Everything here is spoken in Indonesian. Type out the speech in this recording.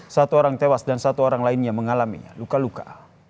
satu orang tewas dan satu orang lainnya mengalami luka luka